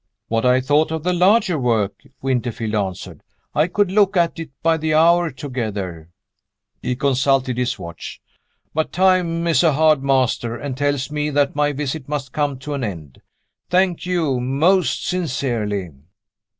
"What I thought of the larger work," Winterfield answered. "I could look at it by the hour together." He consulted his watch. "But time is a hard master, and tells me that my visit must come to an end. Thank you, most sincerely."